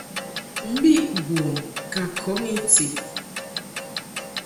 Mbi bun ka kɔn I ti.